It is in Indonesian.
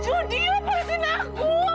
judi lepasin aku